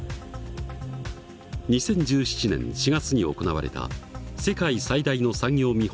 ２０１７年４月に行われた世界最大の産業見本